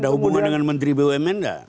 ada hubungan dengan menteri bumn nggak